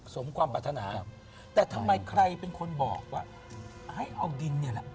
สมความปรารถนาแต่ทำไมใครเป็นคนบอกว่าให้เอาดินเนี่ยแหละ